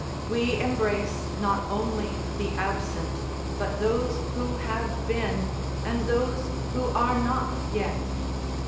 We embrace not only the absent, but those who have been, and those who are not yet.